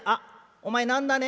お前何だね？